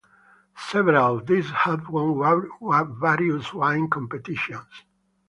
Several of these have won various wine competitions.